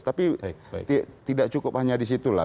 tapi tidak cukup hanya di situ lah